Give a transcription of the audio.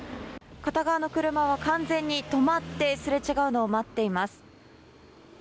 片側の車は完全に止まってすれ違うのを待っています。